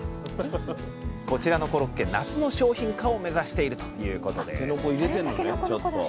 こちらのコロッケ夏の商品化を目指しているということです